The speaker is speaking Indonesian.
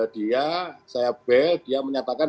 dia saya bel dia menyatakan